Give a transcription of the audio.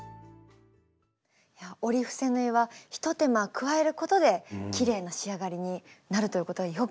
折り伏せ縫いは一手間加えることできれいな仕上がりになるということよく分かりました。